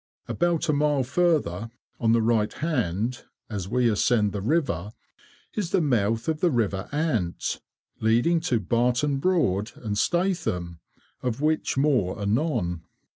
About a mile further, on the right hand, as we ascend the river, is the mouth of the river Ant, leading to Barton Broad and Statham, of which more anon.